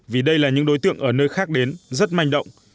vì đây là những đối tượng ở nơi khác đến rất manh động